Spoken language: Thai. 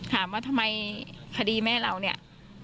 ถามว่าทำไมคดีแม่เราเนี่ย